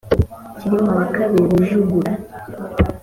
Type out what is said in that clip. cyilima wa kabiri rujugura